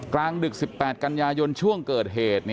กลางดึก๑๘กันยายนช่วงเกิดเหตุ